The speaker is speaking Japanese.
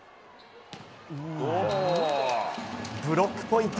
ブロックポイント。